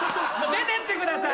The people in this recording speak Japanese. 出てってください！